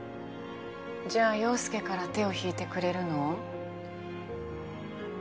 じゃあ陽佑から手を引いてくれるの？